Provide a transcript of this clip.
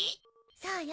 そうよ。